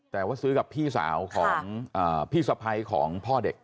แต่ว่าซื้อกับพี่สาวของพี่สะพ้ายของพ่อเด็ก